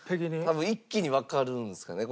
多分一気にわかるんですかね